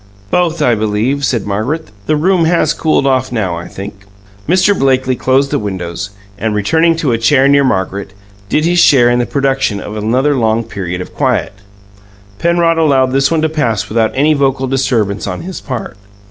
"Both, I believe," said Margaret. "The room has cooled off, now, I think." Mr. Blakely closed the windows, and, returning to a chair near Margaret, did his share in the production of another long period of quiet. Penrod allowed this one to pass without any vocal disturbance on his part.